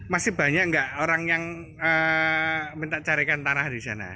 masih banyak nggak orang yang minta carikan tanah di sana